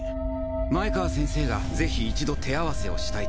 前川先生がぜひ一度手合わせをしたいと言っていた男だ。